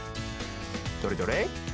どれどれ？